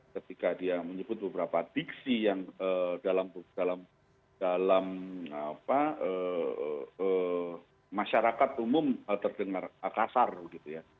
ketika dia menyebut beberapa diksi yang dalam masyarakat umum terdengar kasar begitu ya